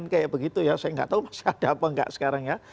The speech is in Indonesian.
kayak begitu ya saya nggak tahu masih ada apa enggak sekarang ya